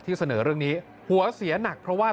เสนอเรื่องนี้หัวเสียหนักเพราะว่า